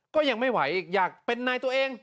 ก็ยังไม่ไหวอีกอยากเป็นนายตัวเอง